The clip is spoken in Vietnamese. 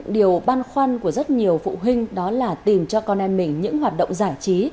điều băn khoăn của rất nhiều phụ huynh đó là tìm cho con em mình những hoạt động giải trí